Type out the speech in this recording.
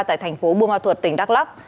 tại thành phố bùa ma thuật tỉnh đắk lắk